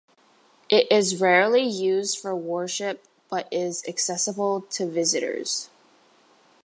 It is rarely used for worship but is accessible to visitors.